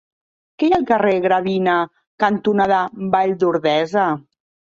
Què hi ha al carrer Gravina cantonada Vall d'Ordesa?